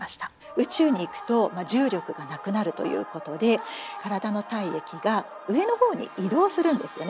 宇宙に行くと重力がなくなるということで体の体液が上のほうに移動するんですよね。